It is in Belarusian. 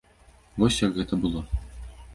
Вось як гэта было.